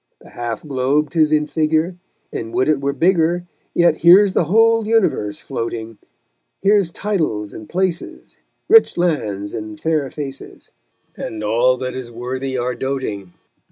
The half globe 'tis in figure, And would it were bigger, Yet here's the whole universe floating; Here's titles and places, Rich lands, and fair faces, And all that is worthy our doting.